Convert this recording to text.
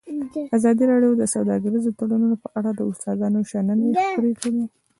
ازادي راډیو د سوداګریز تړونونه په اړه د استادانو شننې خپرې کړي.